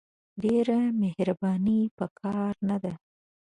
ډېره مهرباني په کار نه ده !